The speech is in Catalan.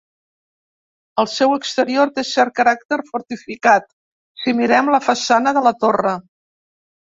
El seu exterior té cert caràcter fortificat, si mirem la façana de la torre.